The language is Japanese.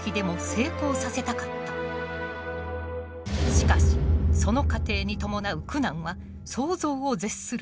しかしその過程に伴う苦難は想像を絶する。